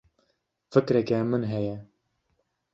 Fikreke min heye.